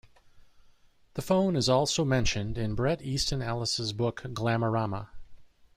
The phone is also mentioned in Bret Easton Ellis' book "Glamorama".